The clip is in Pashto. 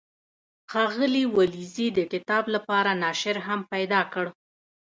ښاغلي ولیزي د کتاب لپاره ناشر هم پیدا کړ.